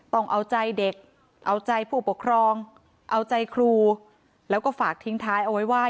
ต้องเอาใจเด็กเอาใจผู้ปกครองเอาใจครูแล้วก็ฝากทิ้งท้ายเอาไว้ว่า